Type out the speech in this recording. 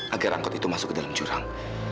agar angkot itu masuk ke dalam jurang